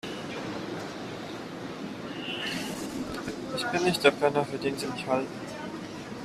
Ich bin nicht der Penner, für den Sie mich halten.